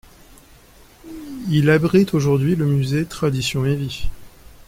Il abrite aujourd'hui le musée Traditions et vie.